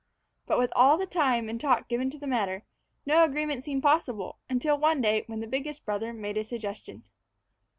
But with all the time and talk given the matter, no agreement seemed possible, until one day when the biggest brother made a suggestion.